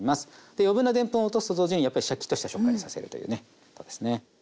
余分なでんぷんを落とすと同時にやっぱりシャキッとした食感にさせるというねことですね。